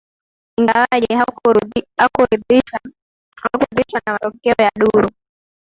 ingawaje hakuridhishwa na matokeo ya duru